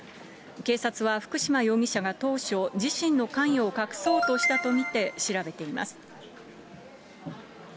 警察は福島容疑者が当初、自身の関与を隠そうとしたと見て調べています。